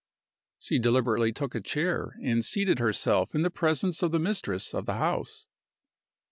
She deliberately took a chair and seated herself in the presence of the mistress of the house.